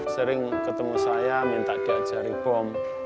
sering ketemu saya minta diajari bom